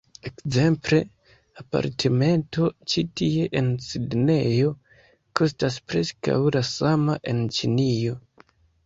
Ekzemple, apartamento ĉi tie en Sidnejo, kostas preskaŭ la sama en Ĉinio